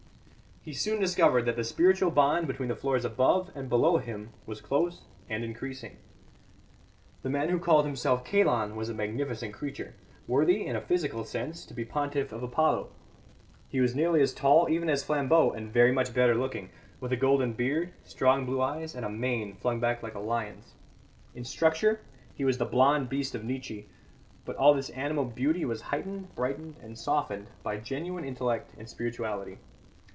He soon discovered that the spiritual bond between the floors above and below him was close and increasing. The man who called himself Kalon was a magnificent creature, worthy, in a physical sense, to be the pontiff of Apollo. He was nearly as tall even as Flambeau, and very much better looking, with a golden beard, strong blue eyes, and a mane flung back like a lion's. In structure he was the blonde beast of Nietzsche, but all this animal beauty was heightened, brightened and softened by genuine intellect and spirituality.